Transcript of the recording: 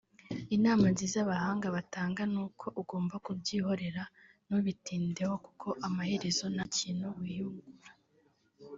Inama nziza abahanga batanga ni uko ugomba kubyihorera ntubitindeho kuko amaherezo nta kintu wiyungura